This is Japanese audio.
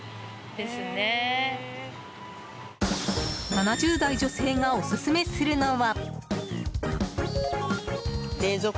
７０代女性がオススメするのは。